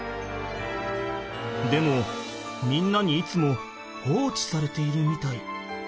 でもみんなにいつも放置されているみたい。